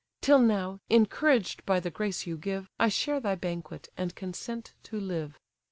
Till now, encouraged by the grace you give, I share thy banquet, and consent to live."